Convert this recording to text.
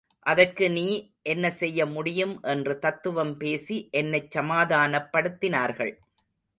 அதற்கு நீ என்ன செய்ய முடியும் என்று தத்துவம் பேசி என்னைச் சமாதானப்படுத்தினார்கள்.